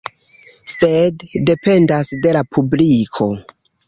Sed dependas de la publiko.